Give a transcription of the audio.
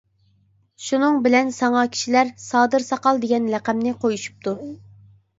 شۇنىڭ بىلەن ساڭا كىشىلەر «سادىر ساقال» دېگەن لەقەمنى قۇيۇشۇپتۇ.